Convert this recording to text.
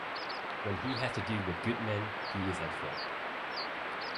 When he has to do with good men he is at fault.